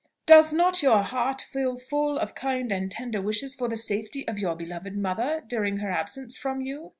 does not your heart feel full of kind and tender wishes for the safety of your beloved mother during her absence from you?"